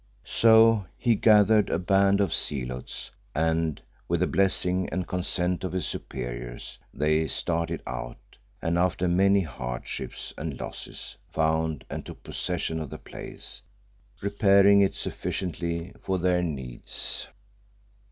So he gathered a band of zealots and, with the blessing and consent of his superiors, they started out, and after many hardships and losses found and took possession of the place, repairing it sufficiently for their needs.